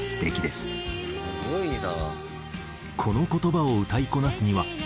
「すごいな！」